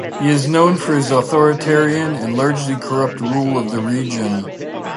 He is known for his authoritarian and largely corrupt rule of the region.